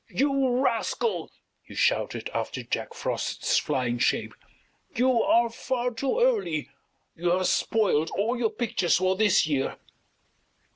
"You rascal!" he shouted after Jack Frost's flying shape. "You are far too early! You have spoiled all your pictures for this year!"